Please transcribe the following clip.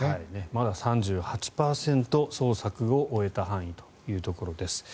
まだ３８％捜索を終えた範囲というところです。